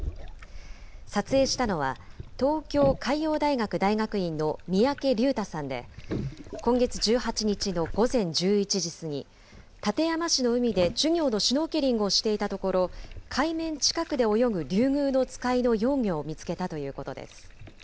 撮影したのは、東京海洋大学大学院の三宅龍太さんで、今月１８日の午前１１時過ぎ、館山市の海で授業のシュノーケリングをしていたところ、海面近くで泳ぐリュウグウノツカイの幼魚を見つけたということです。